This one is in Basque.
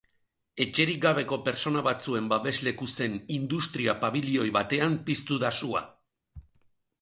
Etxerik gabeko pertsona batzuen babesleku zen industria pabilioi batean piztu da sua.